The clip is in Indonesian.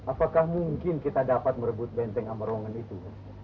apakah mungkin kita dapat merebut benteng amarongan itu